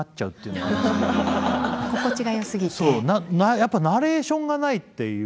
やっぱナレーションがないっていう。